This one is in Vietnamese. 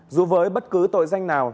dù với bất cứ tội danh nào